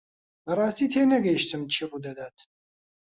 بەڕاستی تێنەگەیشتم چی ڕوودەدات.